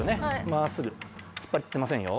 真っすぐ引っ張ってませんよ。